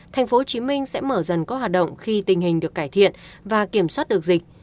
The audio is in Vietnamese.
tp hcm sẽ mở dần các hoạt động khi tình hình được cải thiện và kiểm soát được dịch